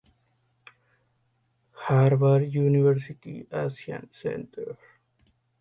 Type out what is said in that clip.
Harvard University Asia Center.